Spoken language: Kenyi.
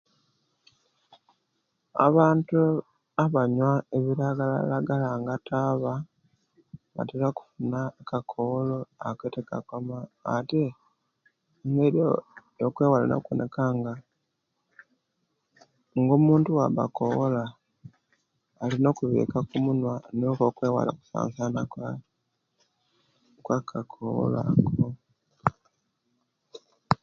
Abantu abanyuwa ebilagala lagala nga taaba batera okufuna akakowolo ako tikakoma ate nebyo okwewala okuwonekanga ngaz omuntu owabba akowola alina okubika kumunuwa nikwo okwewala okusasana okwekakowolo ako